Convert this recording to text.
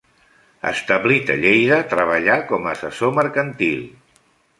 Establit a Lleida, treballà com a assessor mercantil.